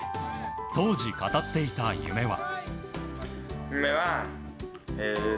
当時、語っていた夢は。